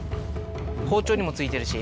包丁にもついてるし。